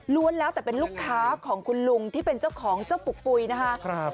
แล้วแต่เป็นลูกค้าของคุณลุงที่เป็นเจ้าของเจ้าปุกปุ๋ยนะคะ